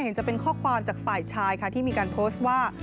เห็นจะเป็นข้อความจากฝ่ายชายค่ะที่มีการโพสต์ว่า